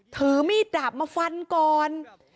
ถือมีดดาบมาฟันก่อน